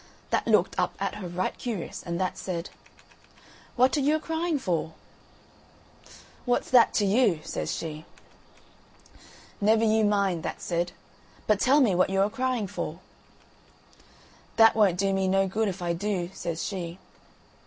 That looked up at her right curious, and that said: "What are you a crying for?" "What's that to you?" says she. "Never you mind," that said, "but tell me what you're a crying for." "That won't do me no good if I do," says she.